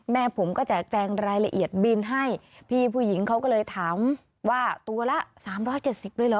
แม่ผมก็จะแจงรายละเอียดบินให้พี่ผู้หญิงเขาก็เลยถามว่าตัวละสามร้อยเจ็ดสิบเลยเหรอ